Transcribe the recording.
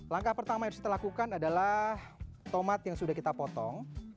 langkah pertama yang harus kita lakukan adalah tomat yang sudah kita potong